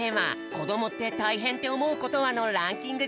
「こどもってたいへんっておもうことは？」のランキング